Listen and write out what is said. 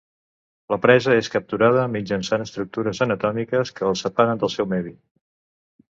La presa és capturada mitjançant estructures anatòmiques que el separen del seu medi.